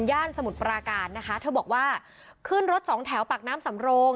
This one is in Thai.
สมุทรปราการนะคะเธอบอกว่าขึ้นรถสองแถวปากน้ำสำโรง